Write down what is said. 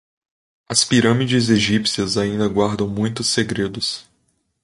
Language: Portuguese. As pirâmides egípcias ainda guardam muitos segredos